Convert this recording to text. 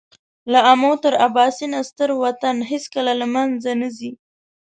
له آمو تر اباسینه ستر وطن هېڅکله له مېنځه نه ځي.